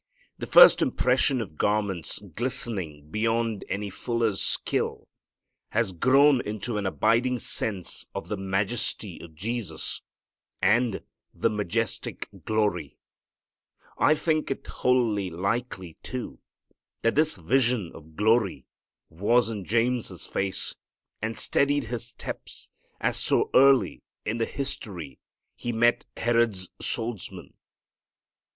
The first impression of garments glistening beyond any fuller's skill has grown into an abiding sense of the "_majesty" _ of Jesus and "the majestic glory." I think it wholly likely, too, that this vision of glory was in James' face, and steadied his steps, as so early in the history he met Herod's swordsman.